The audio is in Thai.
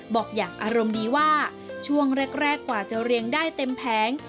บอกอย่างอารมณ์ดีว่าช่วงแรกกว่าจะเรียงได้เต็มแผง